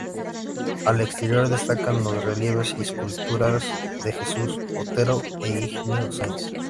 Al exterior destacan los relieves y esculturas de Jesús Otero e Higinio Sainz.